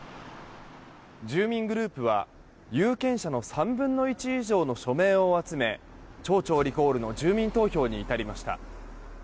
住民グループは有権者の３分の１以上の署名を集め町長リコールの住民投票に至りました。